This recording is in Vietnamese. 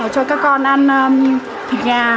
cho các con ăn thịt gà